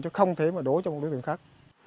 chứ không thể mà đổ trong một đối tượng khác